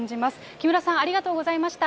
木村さん、ありがとうございました。